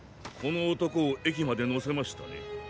この男を駅まで乗せましたね？